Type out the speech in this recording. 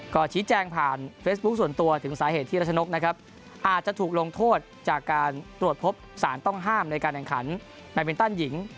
ก็ชี้แจงผ่านเฟซบุ๊คส่วนตัวถึงสาเหตุที่รัชนกนะครับอาจจะถูกลงโทษจากการตรวจพบสารต้องห้ามในการแข่งขันแบตมินตันหญิง